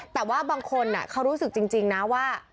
แต่ว่าบางคนเขารู้สึกจริงนะว่า